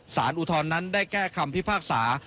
อุทธรณ์นั้นได้แก้คำพิพากษา